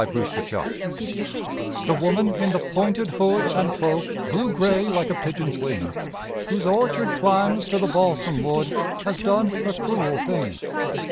VILLAGE MYSTERY The woman in the pointed hood And cloak blue gray like a pigeon's wing, Whose orchard climbs to the balsam wood, Has done a cruel thing.